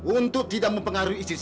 untuk tidak mempengaruhi sisi saya